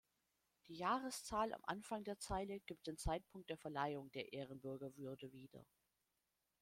Die Jahreszahl am Anfang der Zeile gibt den Zeitpunkt der Verleihung der Ehrenbürgerwürde wieder.